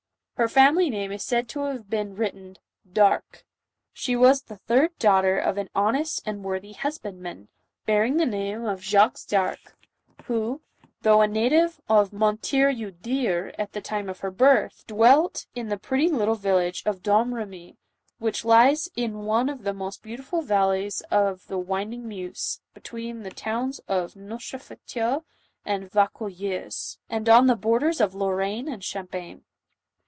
Her family name is said to have been written Dare. She was the third daughter of an hon nest and worthy husbandman, bearing the name of Jacques d'Arc, who, though a native of Montiereu Der, at the time of her birth, dwelt in the pretty little village of Dom Eemy, which lies in one of the most beautiful valleys of the winding Meuse, between the towns of Neufchateau and Vaucouleurs, and on the borders of Lorraine and Champagne.